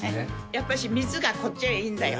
やっぱし水がこっちはいいんだよ。